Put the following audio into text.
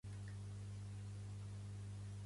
Pertany al moviment independentista el Berto?